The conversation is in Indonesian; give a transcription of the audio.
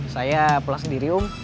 saya pulang sendiri um